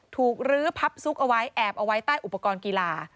ลื้อพับซุกเอาไว้แอบเอาไว้ใต้อุปกรณ์กีฬา